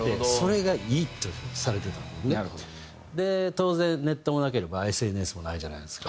当然ネットもなければＳＮＳもないじゃないですか。